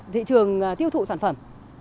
thị trường tiêu thụ sản phẩm